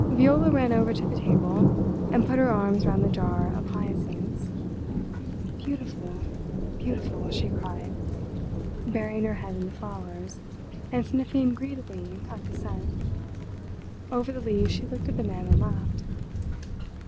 Viola ran over to the table and put her arms round the jar of hyacinths. "Beautiful! Beautiful!" she cried—burying her head in the flowers—and sniffing greedily at the scent. Over the leaves she looked at the man and laughed.